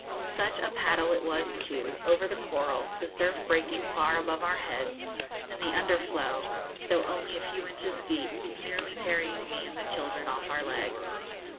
Such a paddle it was, too, over the coral, the surf breaking far above our heads, and the underflow, though only a few inches deep, nearly carrying me and the children off our legs!